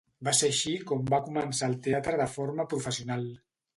Va ser així com va començar al teatre de forma professional.